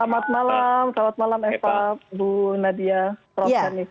selamat malam selamat malam eva bu nadia prof ganis